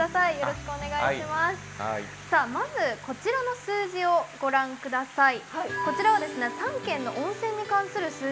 さあまずこちらの数字をご覧ください。